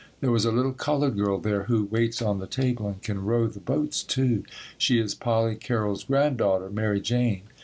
There was a little colored girl there who waits on the table and can row the boats too. She is Polly Carroll's granddaughter, Mary Jane.